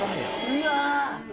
うわ。